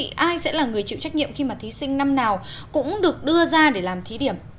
thì ai sẽ là người chịu trách nhiệm khi mà thí sinh năm nào cũng được đưa ra để làm thí điểm